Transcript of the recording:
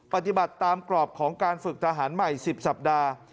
ปฏิบัติตามกรอบของการฝึกทหารใหม่๑๐สัปดาห์